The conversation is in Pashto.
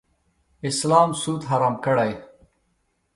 اسلام سود حرام کړی.